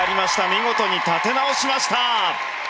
見事に立て直しました。